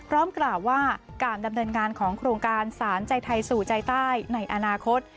กล่าวว่าการดำเนินงานของโครงการสารใจไทยสู่ใจใต้ในอนาคต